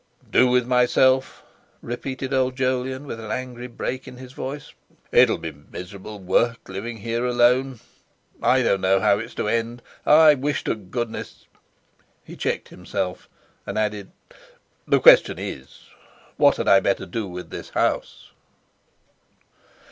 "Do with myself?" repeated old Jolyon with an angry break in his voice. "It'll be miserable work living here alone. I don't know how it's to end. I wish to goodness...." He checked himself, and added: "The question is, what had I better do with this house?"